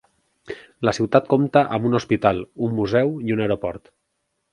La ciutat compta amb un hospital, un museu, i un aeroport.